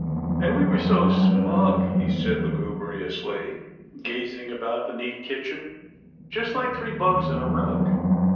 " And we were so snug," he said lugubriously gazing about the neat kitchen, " just like three bugs in a rug."